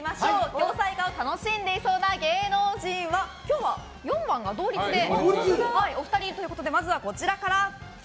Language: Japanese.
恐妻家を楽しんでいそうな芸能人は？ということで今日は４番が同率でお二人ということでまずはこちらから。